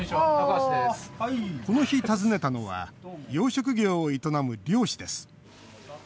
この日、訪ねたのは養殖業を営む漁師です。